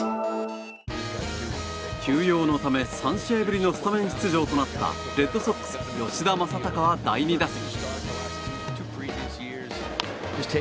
休養のため３試合ぶりのスタメン出場となったレッドソックス、吉田正尚は第２打席。